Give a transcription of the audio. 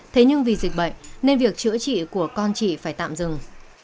thế nhưng vì dịch bệnh nên việc chữa trị của con chị phải tạm dừng